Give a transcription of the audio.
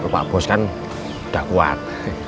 pak bos kan udah kuat